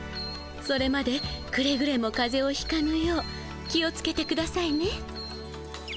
それまでくれぐれも風邪をひかぬよう気をつけてくださいね。